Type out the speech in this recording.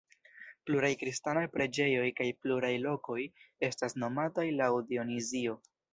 Pluraj kristanaj preĝejoj kaj pluraj lokoj estas nomataj laŭ Dionizio.